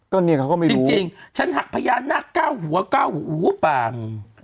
ก็เนี่ยเขาก็ไม่รู้จริงจริงฉันหักพญานาคเก้าหัวเก้าหูปาก